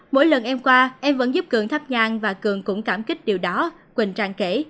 mỗi lần em qua em vẫn giúp cường thắp nhan và cường cũng cảm kích điều đó quỳnh trang kể